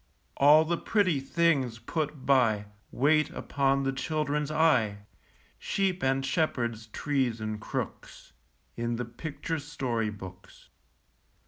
All the pretty things put by, Wait upon the children's eye, Sheep and shepherds, trees and crooks, In the picture story books.